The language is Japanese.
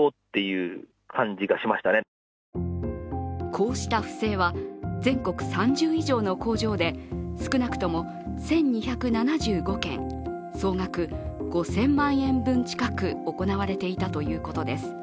こうした不正は全国３０以上の工場で少なくとも１２７５件総額５０００万円近く行われていたということです。